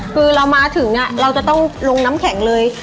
คือเรามาถึงเราจะต้องลงน้ำแข็งเลย